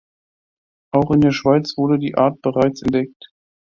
Auch in der Schweiz wurde die Art bereits entdeckt.